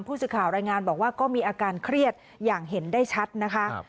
ผู้สื่อข่าวรายงานบอกว่าก็มีอาการเครียดอย่างเห็นได้ชัดนะคะ